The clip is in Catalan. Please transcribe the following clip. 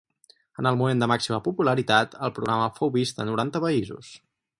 En el moment de màxima popularitat el programa fou vist a noranta països.